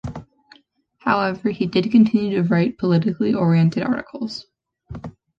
However, he did continue to write politically oriented articles.